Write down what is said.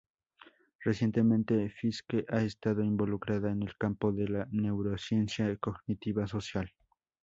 Recientemente, Fiske ha estado involucrada en el campo de la neurociencia cognitiva social.